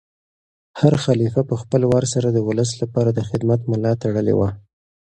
هر خلیفه په خپل وار سره د ولس لپاره د خدمت ملا تړلې وه.